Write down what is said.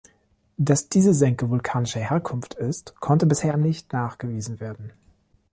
Dass diese Senke vulkanischer Herkunft ist, konnte bisher nicht nachgewiesen werden.